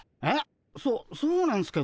そそうなんすけど。